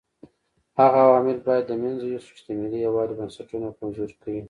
هغه عوامل باید له منځه یوسو چې د ملي یووالي بنسټونه کمزوري کوي.